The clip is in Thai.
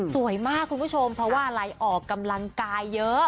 สวยมากคุณผู้ชมเพราะว่าอะไรออกกำลังกายเยอะ